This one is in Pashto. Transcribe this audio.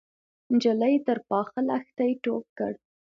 نجلۍ تر پاخه لښتي ټوپ کړ.